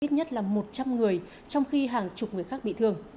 ít nhất là một trăm linh người trong khi hàng chục người khác bị thương